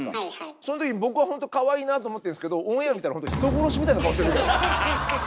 そん時に僕はほんと「かわいいな」って思ってるんですけどオンエア見たらほんと人殺しみたいな顔してる時ある。